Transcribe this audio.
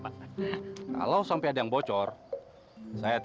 oke yang penting udah